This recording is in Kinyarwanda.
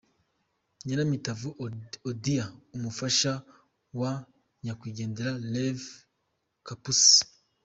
Nyiramitavu Odia umufasha wa nyakwigendera Rev Gapusi.